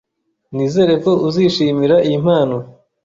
Nizere ko uzishimira iyi mpano